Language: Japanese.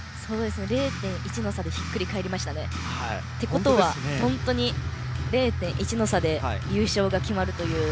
０．１の差でひっくり返りましたね。ということは０．１の差で優勝が決まるという。